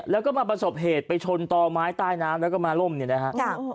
แล้วก็มาประสบเหตุไปชนต่อไม้ใต้น้ำแล้วก็มาล่มเนี่ยนะฮะ